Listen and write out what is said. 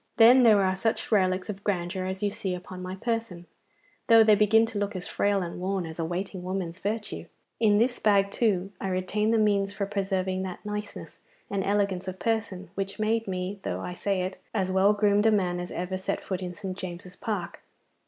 Then there are such relics of grandeur as you see upon my person, though they begin to look as frail and worn as a waiting woman's virtue. In this bag, too, I retain the means for preserving that niceness and elegance of person which made me, though I say it, as well groomed a man as ever set foot in St. James's Park.